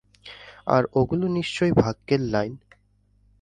আর ওগুলো নিশ্চয়ই ভাগ্যের লাইন।